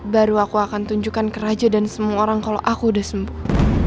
baru aku akan tunjukkan ke raja dan semua orang kalau aku udah sembuh